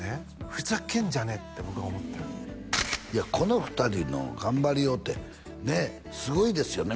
ふざけんじゃねえって僕は思ったよいやこの２人の頑張りようってねえすごいですよね